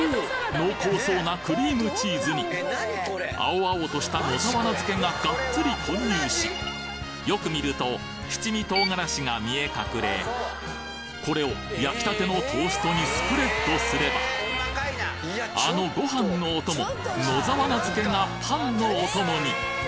濃厚そうなクリームチーズに青々とした野沢菜漬がガッツリ混入しよく見ると七味唐辛子が見え隠れこれを焼きたてのトーストにスプレッドすればあのご飯のお供野沢菜漬がパンのお供に！